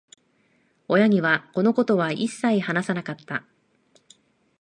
親には、このことは一切話さなかった。